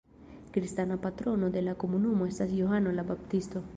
Kristana patrono de la komunumo estas Johano la Baptisto.